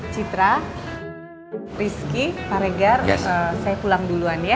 citra rizky paregar saya pulang duluan ya